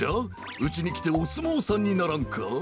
うちにきておすもうさんにならんか？